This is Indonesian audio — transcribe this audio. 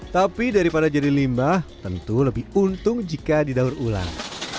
tapi daripada jadi limbah tentu lebih untung jika didaur ulang